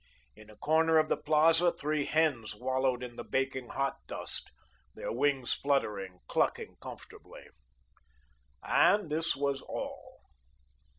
In a corner of the Plaza three hens wallowed in the baking hot dust their wings fluttering, clucking comfortably. And this was all.